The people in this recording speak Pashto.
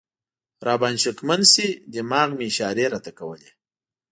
را باندې شکمن شي، دماغ مې اشارې راته کولې.